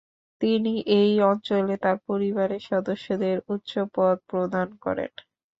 তিনি এই অঞ্চলে তার পরিবারের সদস্যদের উচ্চপদ প্রদান করেন।